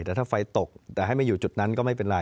แต่ถ้าไฟตกแต่ให้ไม่อยู่จุดนั้นก็ไม่เป็นไร